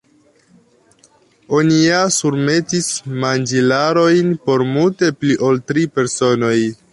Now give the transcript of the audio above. "Oni ja surmetis manĝilarojn por multe pli ol tri personoj."